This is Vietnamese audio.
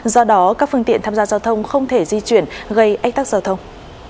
do đó các phương tiện tham gia giao thông không thể di chuyển gây ách tắc giao thông